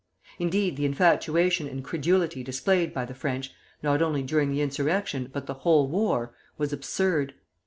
Indeed, the infatuation and credulity displayed by the French, not only during the insurrection, but the whole war, was absurd.